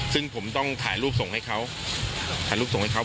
ซึ่งผมต้องถ่ายรูปส่งให้เขา